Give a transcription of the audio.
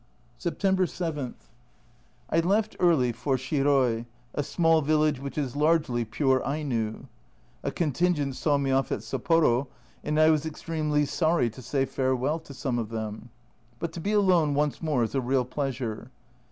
September 7. I left early for Shiroi, a small village which is largely pure Aino. A contingent saw me off at Sapporo, and I was extremely sorry to say farewell to some of them ; but to be alone once more is a real pleasure.